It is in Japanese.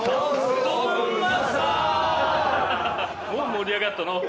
盛り上がったのう。